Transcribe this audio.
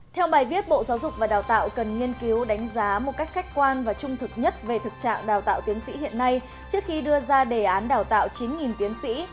theo bài viết bộ giáo dục và đào tạo cần nghiên cứu đánh giá một cách khách quan và trung thực nhất về thực trạng đào tạo tiến sĩ hiện nay trước khi đưa ra đề án đào tạo chín tiến sĩ